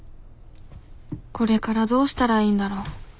これからどうしたらいいんだろう。